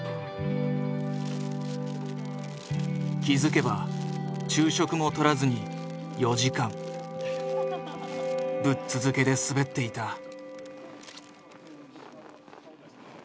気付けば昼食も取らずに４時間ぶっ続けで滑っていた。